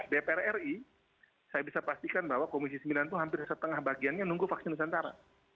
dpr ri saya bisa pastikan bahwa komisi sembilan itu hampir setengah bagiannya nunggu vaksin nusantara